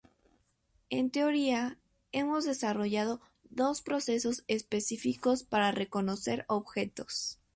En teoría, hemos desarrollado dos procesos específicos para reconocer objetos.